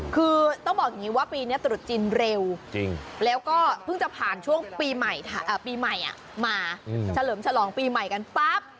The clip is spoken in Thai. คือต้องบอกอย่างนี้ว่าปีนี้ตรุษจีนเร็วแล้วก็เพิ่งจะผ่านช่วงปีใหม่ปีใหม่มาเฉลิมฉลองปีใหม่กันปั๊บ